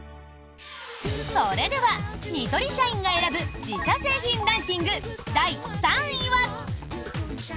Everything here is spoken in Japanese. それでは、ニトリ社員が選ぶ自社製品ランキング第３位は。